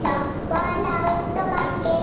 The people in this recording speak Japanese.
わらうとまけよ。